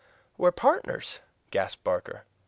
"But we're partners," gasped Barker.